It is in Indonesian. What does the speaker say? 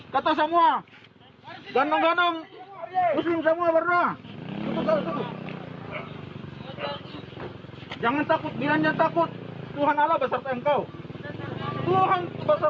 tak hanya itu seorang warga juga tampak membentangkan